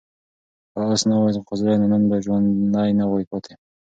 که آس نه وای خوځېدلی نو نن به ژوندی نه وای پاتې.